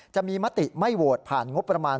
จะมีมติไม่โหวตผ่านงบประมาณ